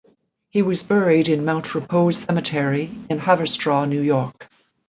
He was buried in Mount Repose Cemetery in Haverstraw, New York.